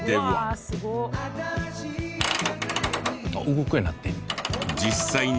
動くようになってんねや。